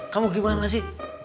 kamu gimana sih